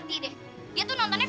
tidurlah selama malam